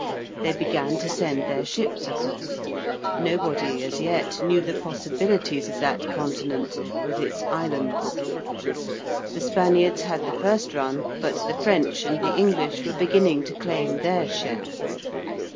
They began to send their ships across: nobody as yet knew the possibilities of that continent with its islands: the Spaniards had the first run, but the French and the English were beginning to claim their share.